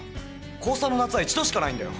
高３の夏は一度しかないんだよ。